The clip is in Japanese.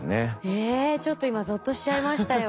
えっちょっと今ぞっとしちゃいましたよ。